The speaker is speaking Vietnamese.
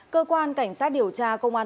cơ quan cảnh sát điều tra công an